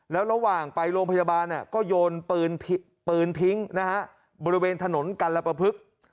แล้วระหว่างไปโรงพยาบาลก็โยนปืนทิ้งนะฮะบริเวณถนนกัลปภึก